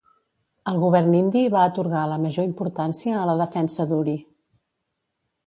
El govern indi va atorgar la major importància a la defensa d'Uri.